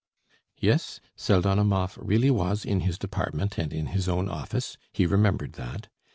Yes, Pseldonimov really was in his department and in his own office; he remembered that.